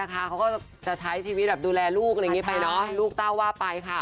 เขาก็จะใช้ชีวิตที่ดูแลลูกที่ต้าว้าไป